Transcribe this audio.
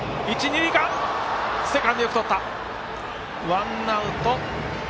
ワンアウト。